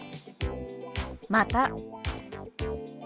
「また」。